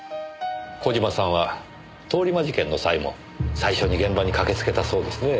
小島さんは通り魔事件の際も最初に現場に駆けつけたそうですね。